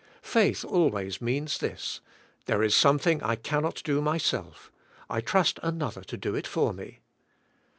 Faith always means this: there is something I cannot do myself, I trust another to do it for me.